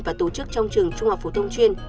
và tổ chức trong trường trung học phổ thông chuyên